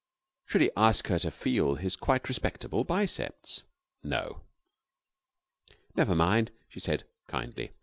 Should he ask her to feel his quite respectable biceps? No. "Never mind," she said, kindly.